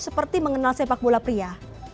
seperti mengenal sepak bola pria